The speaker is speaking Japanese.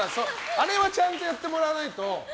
あれはちゃんとやってもらわないと。